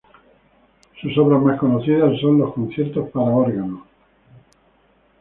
Sus obras más conocidas son los conciertos para órgano.